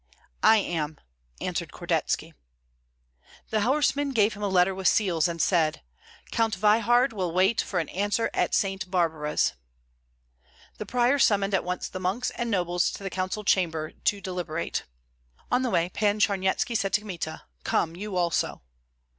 "I am," answered Kordetski. The horseman gave him a letter with seals, and said: "Count Veyhard will wait for an answer at Saint Barbara's." The prior summoned at once the monks and nobles to the council chamber to deliberate. On the way, Pan Charnyetski said to Kmita: "Come you also."